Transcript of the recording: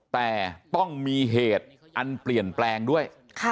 แต่ต้องมีเหตุอันเปลี่ยนแปลงด้วย